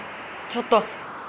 ちょっと！